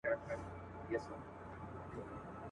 هم مُلا هم گاونډیانو ته منلی.